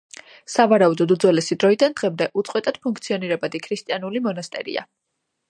სავარაუდოდ უძველესი დროიდან დღემდე უწყვეტად ფუნქციონირებადი ქრისტიანული მონასტერია.